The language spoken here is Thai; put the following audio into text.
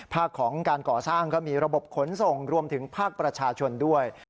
ของการก่อสร้างก็มีระบบขนส่งรวมถึงภาคประชาชนด้วย